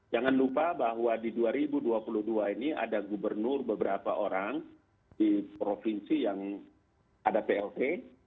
jangan lupa bahwa di dua ribu dua puluh dua ini ada gubernur beberapa orang di provinsi yang ada plt